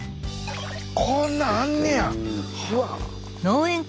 こんなんあんねや。